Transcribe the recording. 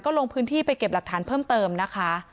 ลงพื้นที่ไปเก็บหลักฐานเพิ่มเติมนะคะ